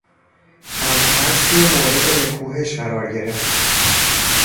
از هر سو مورد نکوهش قرار گرفت.